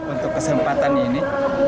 untuk kesempatan ini